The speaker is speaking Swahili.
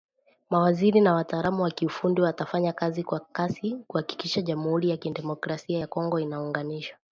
Mawaziri na wataalamu wa kiufundi watafanya kazi kwa kasi kuhakikisha Jamuhuri ya Kidemokrasia ya Kongo inaunganishwa